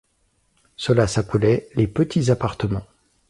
Cela s’appelait « les petits appartements ».